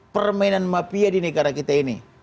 permainan mafia di negara kita ini